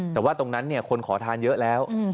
แต่ว่าตรงนั้นคนขอทานเยอะแล้ว